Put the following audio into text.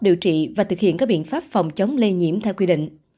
điều trị và thực hiện các biện pháp phòng chống lây nhiễm theo quy định